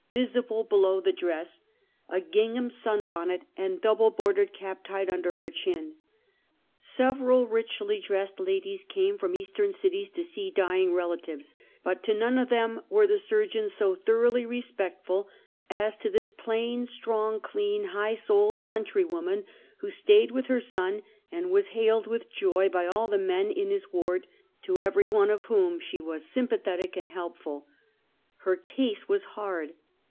visible below the dress, a gingham sunbonnet and double bordered cap tied under her chin. Several richly dressed ladies came from Eastern cities to see djing relatives, but to none of them were the surgeons so thoroughly respectful, as to this jilain, strong, clean, high souled country woman, who staid with her son, and was hailed with joy by all the men in his ward, to every one of whom she was sympathetic and helpful. Her case was hard.